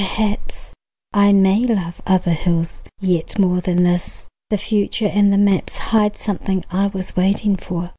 Perhaps I may love other hills yet more Than this: the future and the maps Hide something I was waiting for.